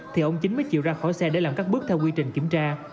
thì ông chính mới chịu ra khỏi xe để làm các bước theo quy trình kiểm tra